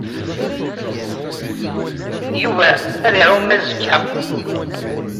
Yuba ad iɛum azekka.